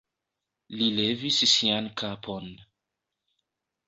Li levis sian kapon.